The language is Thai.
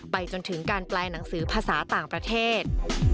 จนถึงการแปลหนังสือภาษาต่างประเทศ